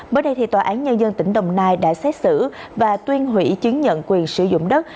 bữa nay tòa án nhân dân tỉnh đồng nai đã xét xử và tuyên hủy chứng nhận quyền sử dụng đất